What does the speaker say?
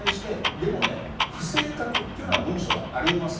でも、不正確というのは文書ではあります。